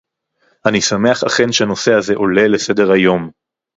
אני שמח אכן שהנושא הזה עולה לסדר-היום